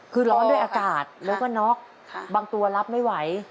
คือร้อนด้วยอากาศแล้วก็น็อกบางตัวรับไม่ไหว